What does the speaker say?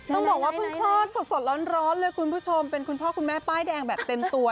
ต้องบอกว่าเพิ่งคลอดสดร้อนเลยคุณผู้ชมเป็นคุณพ่อคุณแม่ป้ายแดงแบบเต็มตัว